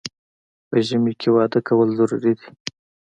په ژمي کې واده کول ضروري دي